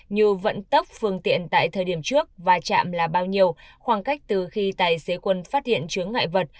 như vận tốc phương tiện tại thời điểm trước và chạm là bao nhiêu khoảng cách từ khi tài xế quân phát hiện chướng ngại vật